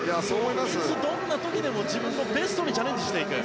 いつ、どんな時でも自分のベストにチャレンジしていく。